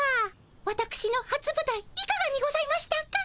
わたくしのはつぶたいいかがにございましたか？